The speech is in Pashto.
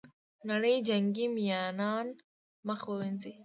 نړۍ جنګي میینان مخ ووینځي.